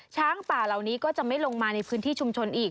ช้างป่าเหล่านี้ก็จะไม่ลงมาในพื้นที่ชุมชนอีก